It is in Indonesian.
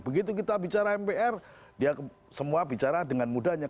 begitu kita bicara mpr dia semua bicara dengan mudahnya